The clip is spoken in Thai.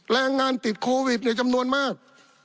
แรงงานติดโควิดในจำนวนมาก